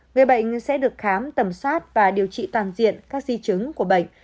người bệnh sẽ được khám tầm soát và điều trị toàn diện các di chứng của bệnh